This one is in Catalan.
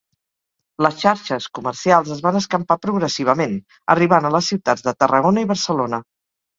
Les xarxes comercials es van escampar progressivament, arribant a les ciutats de Tarragona i Barcelona.